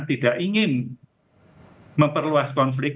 tidak ingin memperluas konflik